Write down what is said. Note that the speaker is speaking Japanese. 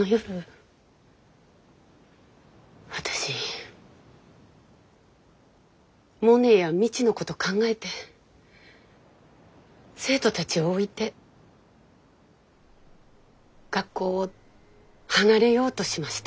私モネや未知のこと考えて生徒たちを置いて学校を離れようとしました。